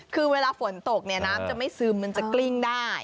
คือเวลาฝนตกเนี่ยน้ำจะไม่ซึมมันจะกลิ้งได้